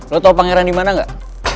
lo tau pangeran dimana gak